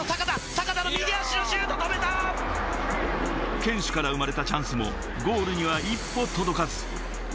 堅守から生まれたチャンスも、ゴールには一歩届かず。